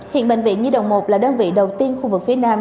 hiện bệnh viện nhi đồng một là đơn vị đầu tiên khu vực phía nam